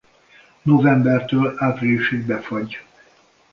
Novembertől áprilisig befagy.